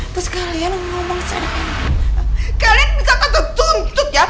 tante mengutamakan poor ini